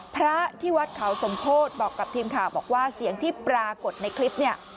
พระที่วัดเขาสมโพธิบอกกับทีมข่าวบอกว่าเสียงที่ปรากฏในคลิปเนี่ย